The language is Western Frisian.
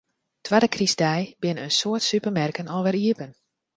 Twadde krystdei binne in soad supermerken alwer iepen.